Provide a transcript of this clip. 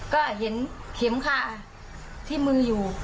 ก็เห็นเข็มคาที่มืออยู่